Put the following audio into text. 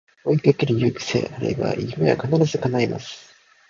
追いかける勇気さえあれば夢は必ず叶います